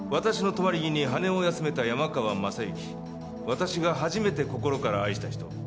「私が初めて心から愛した人」